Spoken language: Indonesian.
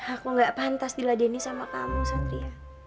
aku gak pantas diladeni sama kamu satria